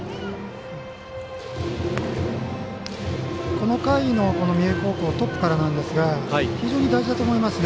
この回の三重高校トップからなんですが非常に大事だと思います。